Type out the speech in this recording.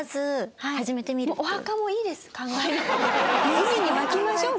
海にまきましょう。